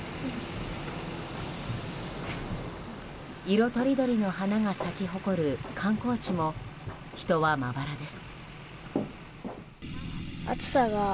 色とりどりの花が咲き誇る観光地も人はまばらです。